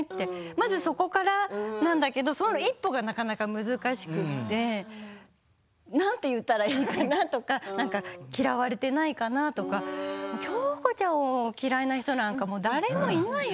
まず、そこからなんだけどその一歩がなかなか難しくてなんて言ったらいいかなとか嫌われていないかなとか京子ちゃんを嫌いな人なんて誰もいないよ。